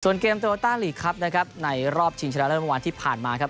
เกมโตต้าลีกครับนะครับในรอบชิงชนะเลิศเมื่อวานที่ผ่านมาครับ